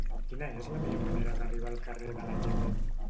Quina és la millor manera d'arribar al carrer de la Llebre?